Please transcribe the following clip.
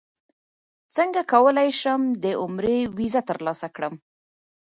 څنګه کولی شم د عمرې ویزه ترلاسه کړم